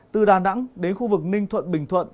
từ đà nẵng đến khu vực ninh thuận bình thuận